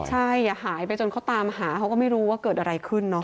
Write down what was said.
ใช่หายไปจนเขาตามหาเขาก็ไม่รู้ว่าเกิดอะไรขึ้นเนาะ